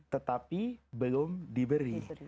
tetapi belum diberi